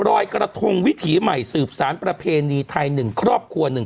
รอยกระทงวิถีใหม่สืบสารประเพณีไทยหนึ่งครอบครัวหนึ่ง